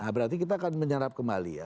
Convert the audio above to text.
nah berarti kita akan menyerap kembali ya